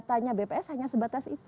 tanya bps hanya sebatas itu